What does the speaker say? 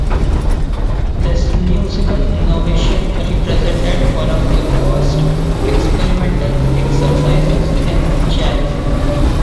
This musical innovation represented one of the first experimental exercises in jazz.